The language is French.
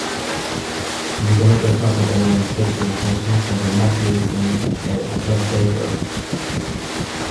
Les annotations accompagnant les textes des chansons sont de Mark Lewisohn et Geoff Baker.